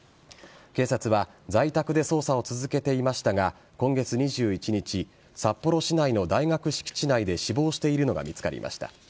警察は在宅で捜査を続けていましたが今月２１日札幌市内の大学敷地内で死亡しているのが見つかりました。